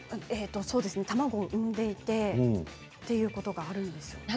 卵を生んでいるということがあるんです。